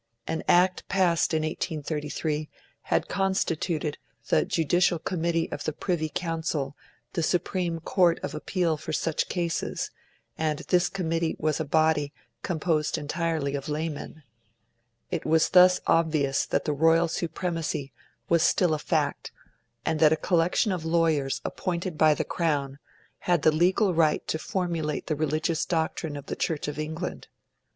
An Act passed in 1833 had constituted the Judicial Committee of the Privy Council the supreme court of appeal for such cases; and this Committee was a body composed entirely of laymen. It was thus obvious that the Royal Supremacy was still a fact, and that a collection of lawyers appointed by the Crown had the legal right to formulate the religious doctrine of the Church of England.